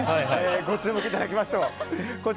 ご注目いただきましょう。